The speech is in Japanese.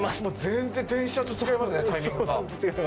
全然電車と違いますねタイミングが。